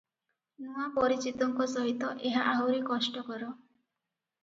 ନୂଆ ପରିଚିତଙ୍କ ସହିତ ଏହା ଆହୁରି କଷ୍ଟକର ।